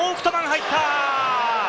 入った！